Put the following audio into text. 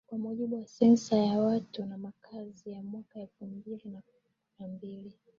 Kwa mujibu wa Sensa ya Watu na Makazi ya Mwaka elfu mbili na mbili